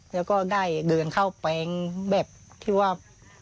แล้วก็ได้เดินเข้าไปแบบที่ว่า